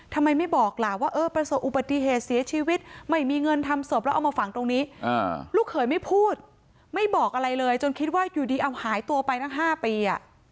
ทำไมไม่บอกล่ะว่าเออประสบอุบัติเหตุเสียชีวิตไม่มีเงินทำศพแล้วเอามาฝังตรงนี้ลูกเขยไม่พูดไม่บอกอะไรเลยจนคิดว่าอยู่ดีเอาหายตัวไปทั้ง๕ปี